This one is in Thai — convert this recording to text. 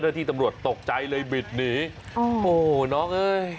นี่ถ้าทำผิดจอดแต่แรกคุยเลย